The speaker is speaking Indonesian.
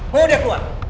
mau dia keluar